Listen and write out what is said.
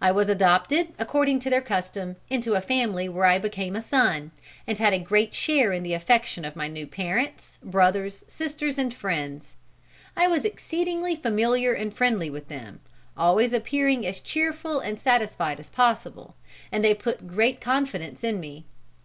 I was adopted according to their custom, into a family where I became a son, and had a great share in the affection of my new parents, brothers, sisters and friends. I was exceedingly familiar and friendly with them, always appearing as cheerful and satisfied as possible, and they put great confidence in me.